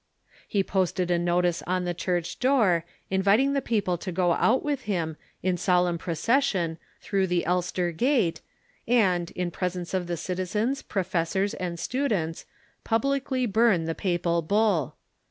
220 THE REFORMATION He posted a notice on the churcli door, inviting the people to go out with him, in solemn procession, through the Elster gate, and, in presence of the citizens, professors, and students, pub licly burn the papal bull.